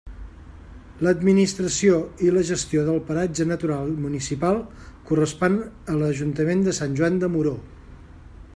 L'administració i la gestió del paratge natural municipal correspon a l'Ajuntament de Sant Joan de Moró.